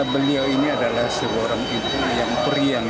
beliau ini adalah seorang ibu yang priang